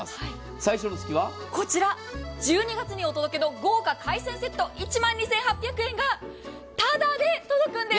最初の月は１２月にお届けの豪華海鮮セット１万２８００円がただで届くんです。